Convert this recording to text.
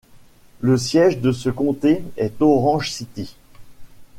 Le siège de ce comté est Orange City.